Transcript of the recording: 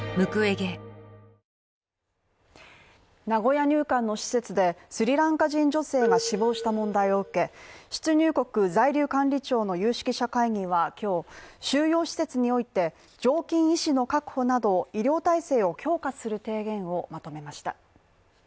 名古屋入管の施設でスリランカ人女性が死亡した問題を受け出入国在留管理庁の有識者会議は今日収容施設において、常勤医師の確保など、医療体制を強化する提言をまとめました。